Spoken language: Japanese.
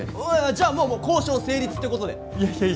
じゃあ、もう交渉成立ってことで！